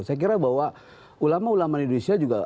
saya kira bahwa ulama ulama di indonesia juga